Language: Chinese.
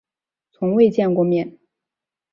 从未见过面